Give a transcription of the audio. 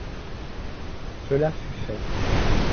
Cela fut fait.